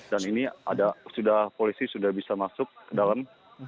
dan ini ada sudah polisi sudah bisa masuk ke dalam